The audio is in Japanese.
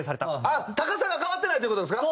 あっ高さが変わってないっていう事ですか？